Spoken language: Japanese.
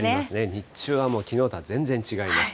日中はきのうとは全然違います。